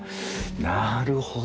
なるほど。